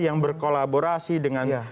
yang berkolaborasi dengan